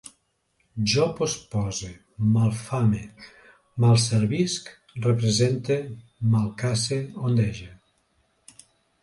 Jo pospose, malfame, malservisc, represente, malcase, ondege